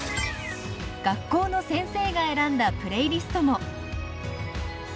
学校の先生が選んだプレーリストも。